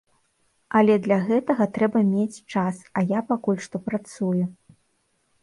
Але для гэтага трэба мець час, а я пакуль што працую.